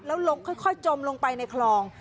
แล้วล้มค่อยจมลงไปในคลอง